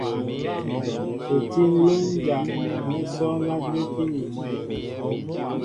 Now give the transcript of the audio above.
U tí ǹlə́ ǹjá' nɛ́ sɔ́ɔ́ŋ á də́kíní.